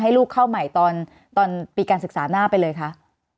ลูกเข้าใหม่ตอนปีการศึกษาหน้าไปเลยคะ